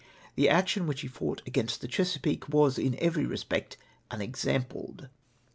The action which he fought with the Chesa peake was in every respect unexampled.